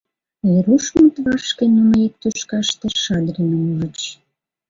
Верушмыт вашке нуно ик тӱшкаште Шадриным ужыч.